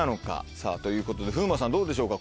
さぁということで風磨さんどうでしょうか？